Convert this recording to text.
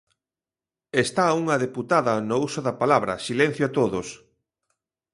Está unha deputada no uso da palabra, silencio a todos.